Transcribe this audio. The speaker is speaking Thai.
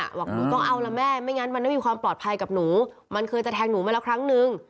บอกหนูต้องเอาละแม่ไม่งั้นมันไม่มีความปลอดภัยกับหนูมันเคยจะแทงหนูมาแล้วครั้งนึง